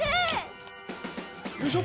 よいしょ！